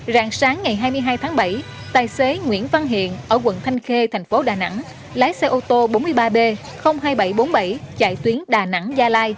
rạng sáng ngày hai mươi hai tháng bảy tài xế nguyễn văn hiện ở quận thanh khê thành phố đà nẵng lái xe ô tô bốn mươi ba b hai nghìn bảy trăm bốn mươi bảy chạy tuyến đà nẵng gia lai